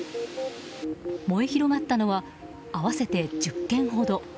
燃え広がったのは合わせて１０軒ほど。